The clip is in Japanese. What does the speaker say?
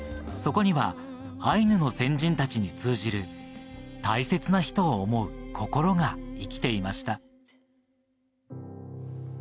そこにはアイヌの先人たちに通じる、大切な人を想う心が生きていました。